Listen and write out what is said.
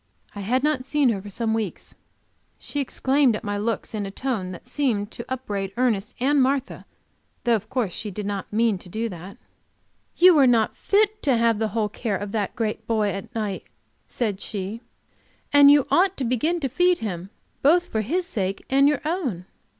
I had not seen her for some weeks. She exclaimed at my looks in a tone that seemed to upbraid Ernest and Martha though of course she did not mean to do that. "You are not fit to have the whole care of that great boy at night," said she, "and you ought to begin to feed him, both for his sake and your own."